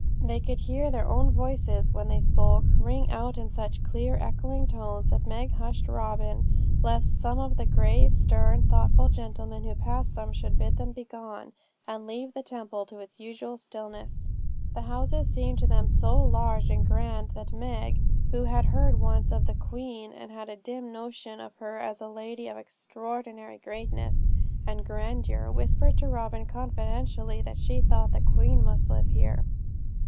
They could hear their own voices, when they spoke, ring out in such clear, echoing tones, that Meg hushed Robin, lest some of the grave, stern, thoughtful gentlemen who passed them should bid them begone, and leave the Temple to its usual stillness. The houses seemed to them so large and grand, that Meg, who had heard once of the Queen, and had a dim notion of her as a lady of extraordinary greatness and grandeur, whispered to Robin confidentially that she thought the Queen must live here.